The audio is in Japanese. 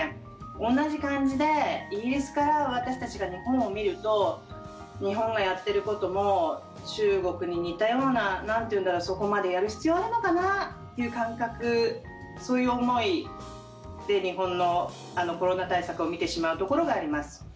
同じ感じで、イギリスから私たちが日本を見ると日本がやっていることも中国に似たようなそこまでやる必要あるのかなという感覚、そういう思いで日本のコロナ対策を見てしまうところがあります。